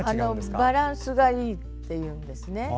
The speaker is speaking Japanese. バランスがいいんですね。